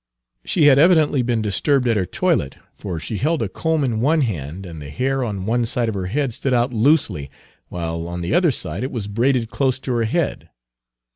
She had evidently been disturbed at her toilet, for she held a comb in one hand, and the hair on one side of her head stood out loosely, while on the other side it was braided close to her head.